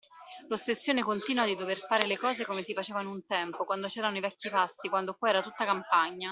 L’ossessione continua di dover fare le cose come si facevano un tempo, quando c’erano i vecchi fasti, quando qua era tutta campagna.